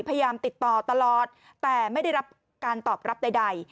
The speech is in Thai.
พยายามติดต่อตลอดแต่ไม่ได้รับการตอบรับใด